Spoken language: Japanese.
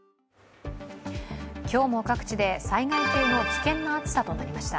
今日も各地で災害級の危険な暑さとなりました。